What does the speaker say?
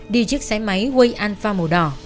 đi chiếc xe máy quây alpha màu đỏ